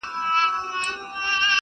د ازل غشي ویشتلی پر ځیګر دی،